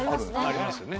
ありますね